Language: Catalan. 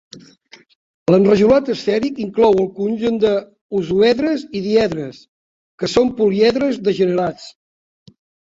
L'enrajolat esfèric inclou el conjunt de hosoedres i diedres, que són poliedres degenerats.